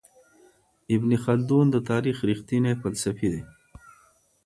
ابن خلدون د تاريخ رښتينی فلسفي دی.